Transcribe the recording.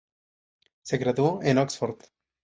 Se graduó en Oxford.